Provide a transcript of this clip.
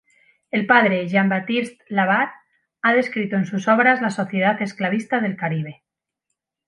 El padre Jean-Baptiste Labat ha descrito en sus obras la sociedad esclavista del Caribe.